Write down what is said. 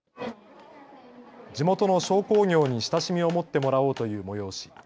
地元の商工業に親しみを持ってもらおうという催し。